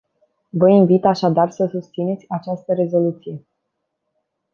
Vă invit așadar să susțineți această rezoluție.